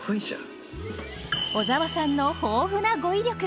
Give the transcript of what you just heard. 小沢さんの豊富な語彙力。